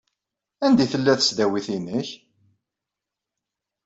Anda tella tesdawit-nnek?